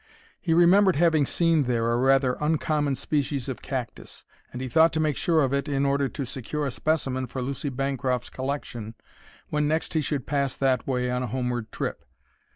He remembered having seen there a rather uncommon species of cactus, and he thought to make sure of it in order to secure a specimen for Lucy Bancroft's collection when next he should pass that way on a homeward trip.